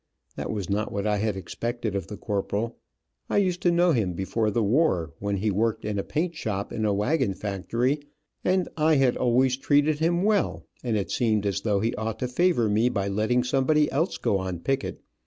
That was not what I had expected of the corporal. I used to know him before the war when he worked in a paint shop in a wagon factory, and I had always treated him well, and it seemed as though he ought to favor me by letting somebody else go on picket.